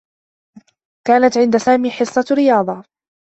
كانت عند سامي حصّة رياضة.